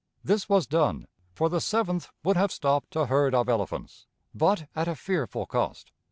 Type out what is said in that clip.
This was done, for the Seventh would have stopped a herd of elephants but at a fearful cost."